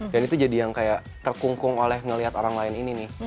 dan itu jadi yang kayak terkungkung oleh ngelihat orang lain ini nih